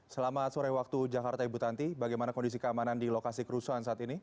selamat sore waktu jakarta ibu tanti bagaimana kondisi keamanan di lokasi kerusuhan saat ini